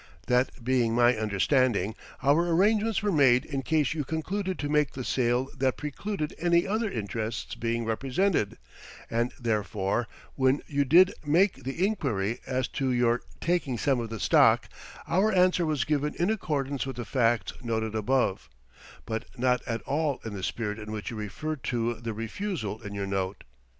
That being my understanding, our arrangements were made in case you concluded to make the sale that precluded any other interests being represented, and therefore, when you did make the inquiry as to your taking some of the stock, our answer was given in accordance with the facts noted above, but not at all in the spirit in which you refer to the refusal in your note.